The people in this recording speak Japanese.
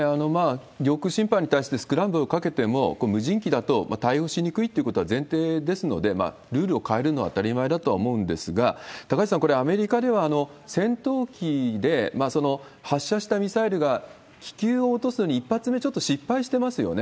領空侵犯に対してスクランブルをかけても、無人機だと対応しにくいということは前提ですので、ルールを変えるのは当たり前だと思うんですが、高橋さん、これ、アメリカでは戦闘機で、発射したミサイルが気球を落とすのに、１発目、ちょっと失敗してますよね。